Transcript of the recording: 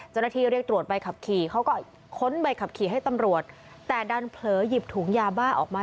เรียกตรวจใบขับขี่เขาก็ค้นใบขับขี่ให้ตำรวจแต่ดันเผลอหยิบถุงยาบ้าออกมา